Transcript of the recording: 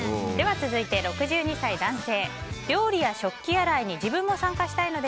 続いて、６２歳、男性。